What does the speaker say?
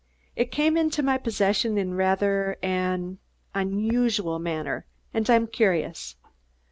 It came into my possession in rather an an unusual manner, and I'm curious."